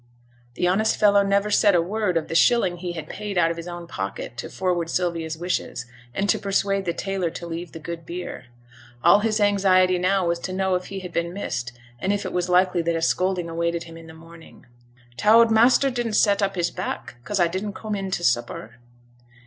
The honest fellow never said a word of the shilling he had paid out of his own pocket to forward Sylvia's wishes, and to persuade the tailor to leave the good beer. All his anxiety now was to know if he had been missed, and if it was likely that a scolding awaited him in the morning. 'T' oud measter didn't set up his back, 'cause a didn't coom in t' supper?'